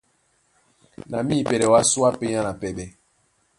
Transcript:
Na mipɛ́lɛ́ wǎ súe á pényá na pɛɓɛ.